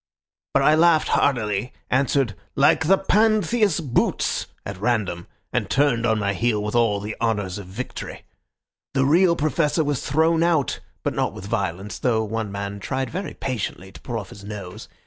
But I laughed heartily, answered, 'Like the Pantheist's boots,' at random, and turned on my heel with all the honours of victory. The real Professor was thrown out, but not with violence, though one man tried very patiently to pull off his nose.